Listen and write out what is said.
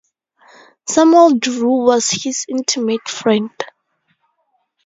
Samuel Drew was his intimate friend.